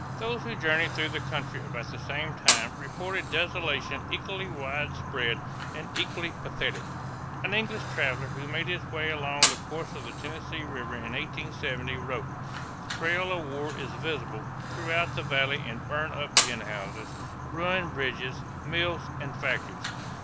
Those who journeyed through the country about the same time reported desolation equally widespread and equally pathetic. An English traveler who made his way along the course of the Tennessee River in 1870 wrote: "The trail of war is visible throughout the valley in burnt up gin houses, ruined bridges, mills, and factories